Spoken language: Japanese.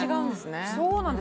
そうなんです。